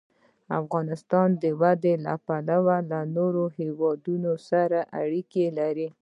افغانستان د وادي له پلوه له نورو هېوادونو سره اړیکې لري.